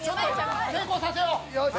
成功させよう！